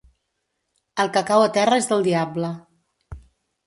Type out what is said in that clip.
El que cau a terra és del diable.